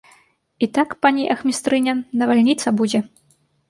І так, пані ахмістрыня, навальніца будзе!